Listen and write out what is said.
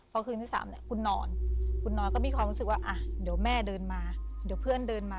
พอคืนที่๓คุณนอนก็มีความรู้สึกว่าเดี๋ยวแม่เดินมาเดี๋ยวเพื่อนเดินมา